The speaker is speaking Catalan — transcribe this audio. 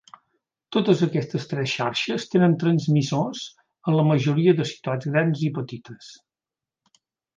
Totes aquestes tres xarxes tenen transmissors en la majoria de ciutats grans i petites.